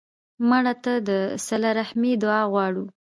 مړه ته د صله رحمي دعا غواړو